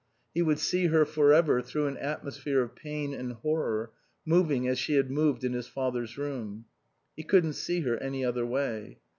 He would see her for ever through an atmosphere of pain and horror, moving as she had moved in his father's room. He couldn't see her any other way.